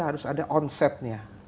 itu harus ada onsetnya